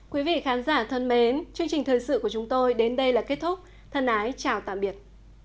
quý vị khán giả thân mến chương trình thời sự của chúng tôi đến đây là kết thúc thân ái chào tạm biệt